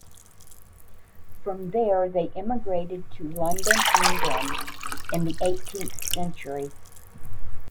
From there they immigrated to London, England in the eighteenth century.